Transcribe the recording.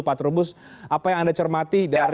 pak trubus apa yang anda cermati dari